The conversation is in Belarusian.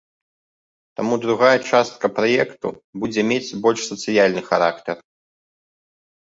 Таму другая частка праекту будзе мець больш сацыяльны характар.